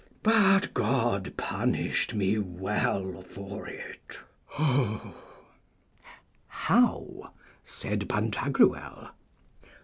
But God punished me well for it. How? said Pantagruel.